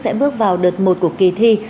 sẽ bước vào đợt một của kỳ thi